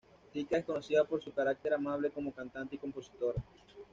Tika es conocida por su carácter amable como cantante y compositora.